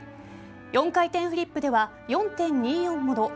４回転フリップでは４．２４もの